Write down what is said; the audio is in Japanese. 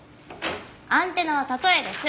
アンテナは例えです。